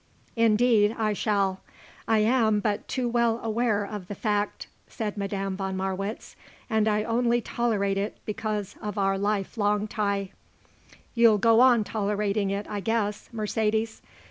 "Indeed I shall. I am but too well aware of the fact," said Madame von Marwitz, "and I only tolerate it because of our life long tie." "You'll go on tolerating it, I guess, Mercedes.